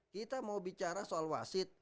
kita mau bicara soal wasit